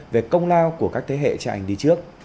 về công lao của các thế hệ trạng đi trước